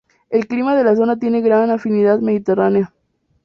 El clima de la zona tiene gran afinidad mediterránea.